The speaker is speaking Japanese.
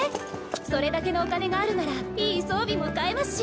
それだけのお金があるならいい装備も買えますし。